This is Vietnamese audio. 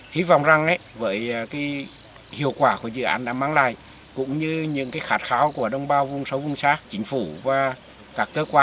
hy vọng rằng với hiệu quả của dự án đã mang lại cũng như những khát khao của đồng bào vùng sâu vùng xa chính phủ và các cơ quan